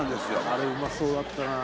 あれうまそうだったな